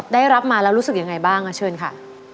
ได้รับมาแล้วรู้สึกยังไงบ้างเชิญค่ะ